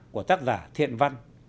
của tác giả thiện văn